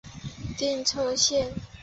电车线。